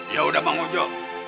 yaudah mang ojo